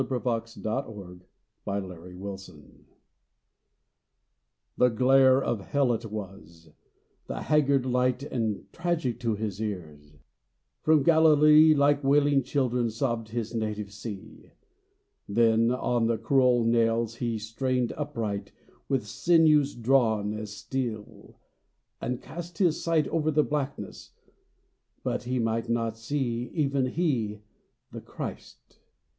120 XXVII "ELI! ELI! LAMA SABACTHANI!" THE glare of Hell it was, the haggard light, And tragic to His ears, from Galilee, Like wailing children sobbed His native sea : Then on the cruel nails He strained upright With sinews drawn as steel, and cast His sight Over the blackness, but He might not see Even He the Christ.